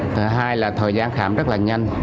thứ hai là thời gian khám rất là nhanh